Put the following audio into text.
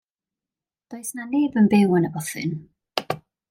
Does 'na neb yn byw yn y bwthyn.